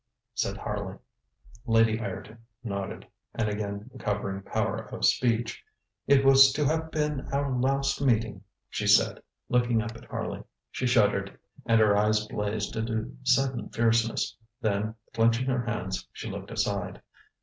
ŌĆØ said Harley. Lady Ireton nodded, and again recovering power of speech: ŌĆ£It was to have been our last meeting, ŌĆØ she said, looking up at Harley. She shuddered, and her eyes blazed into sudden fierceness. Then, clenching her hands, she looked aside.